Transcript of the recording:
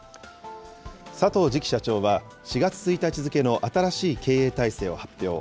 佐藤次期社長は、４月１日付の新しい経営体制を発表。